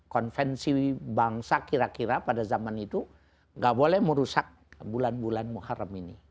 dan konvensi bangsa kira kira pada zaman itu nggak boleh merusak bulan bulan muharram ini